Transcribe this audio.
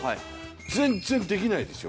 全然できないですよ。